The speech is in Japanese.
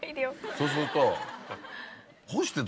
そうすると。